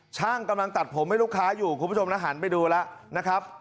กำลังตัดผมให้ลูกค้าอยู่คุณผู้ชมนะหันไปดูแล้วนะครับ